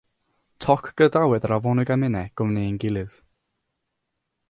Toc gadawodd yr afonig a minne gwmni ein gilydd